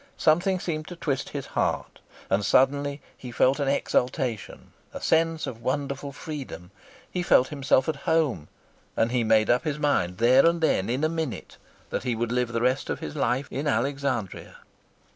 Something seemed to twist his heart, and suddenly he felt an exultation, a sense of wonderful freedom. He felt himself at home, and he made up his mind there and then, in a minute, that he would live the rest of his life in Alexandria.